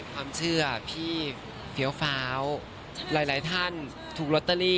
ความเชื่อพี่เฟี้ยวฟ้าวหลายท่านถูกลอตเตอรี่